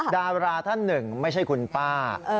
ดาราท่านหนึ่งไม่ใช่คุณป้า